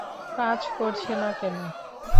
কাজ করছে না কেন?